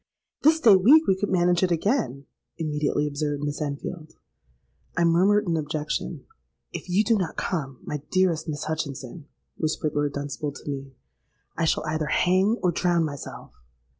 '—'This day week we could manage it again,' immediately observed Miss Enfield.—I murmured an objection.—'If you do not come, my dearest Miss Hutchinson,' whispered Lord Dunstable to me, 'I shall either hang or drown myself.'